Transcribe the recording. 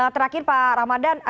terakhir pak ramadan